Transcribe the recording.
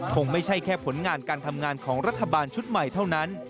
คงไม่ใช่แค่ผลงานการทำงานของรัฐบาลชุดใหม่เท่านั้น